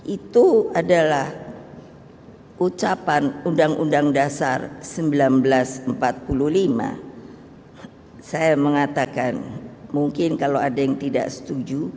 itu adalah ucapan undang undang dasar seribu sembilan ratus empat puluh lima saya mengatakan mungkin kalau ada yang tidak setuju